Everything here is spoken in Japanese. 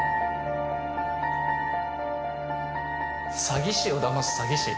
詐欺師を騙す詐欺師？